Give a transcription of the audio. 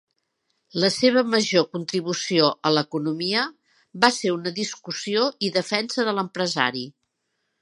La seva major contribució a l'economia va ser una discussió i defensa de l'empresari.